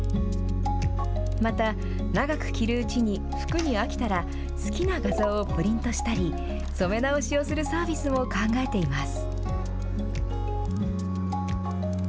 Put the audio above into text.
また長く着るうちに服に飽きたら好きな画像をプリントしたり染め直しをするサービスを考えています。